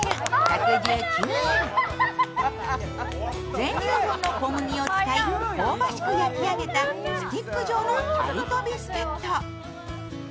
全粒粉の小麦を使い、香ばしく焼き上げたステック状のタルトビスケット。